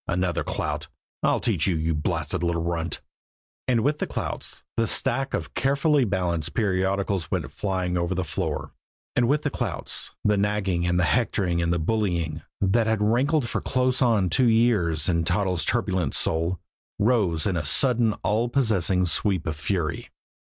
Another clout. "I'll teach you, you blasted little runt!" And with the clouts, the stack of carefully balanced periodicals went flying over the floor; and with the clouts, the nagging, and the hectoring, and the bullying, that had rankled for close on two years in Toddles' turbulent soul, rose in a sudden all possessing sweep of fury.